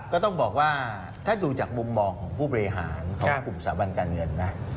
ก็ต้องบอกว่าถ้าดูจากมุมมองของผู้บริหารของกลุ่มสาบันการเงินนะ